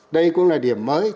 đây cũng là những điều